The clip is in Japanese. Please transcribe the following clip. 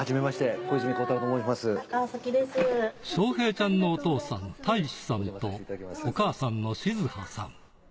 翔平ちゃんのお父さん・太志さんと、お母さんの静葉さん。